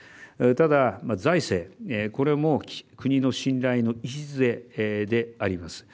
ただ、財政これも国の信頼の礎であります。